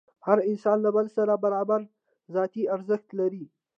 هر انسان له بل سره برابر ذاتي ارزښت لري.